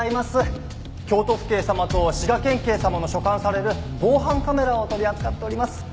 京都府警様と滋賀県警様の所管される防犯カメラを取り扱っております。